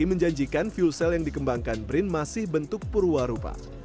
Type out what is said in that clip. ini menjanjikan fuel cell yang dikembangkan brin masih bentuk perwarupa